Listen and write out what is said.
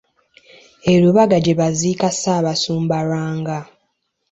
E Lubaga gye baaziika Ssaabasumba Lwanga.